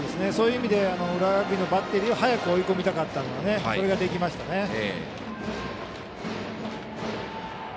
そういう意味で浦和学院のバッテリーは早く追い込みたかったのでそれができましたね。